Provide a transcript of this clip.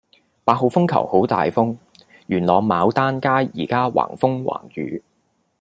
八號風球好大風，元朗牡丹街依家橫風橫雨